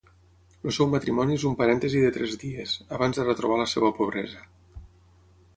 El seu matrimoni és un parèntesi de tres dies, abans de retrobar la seva pobresa.